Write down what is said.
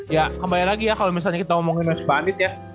ya kembali lagi ya kalo misalnya kita omongin wes bandit ya